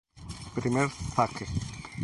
Primer Zaque.